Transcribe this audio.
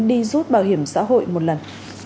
đi rút bảo hiểm xã hội một lần